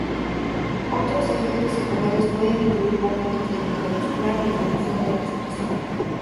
Otros efectos secundarios pueden incluir vómitos, debilidad muscular y disminución de la respiración.